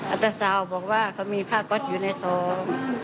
ตาสาวบอกว่าเขามีผ้าก๊อตอยู่ในทอง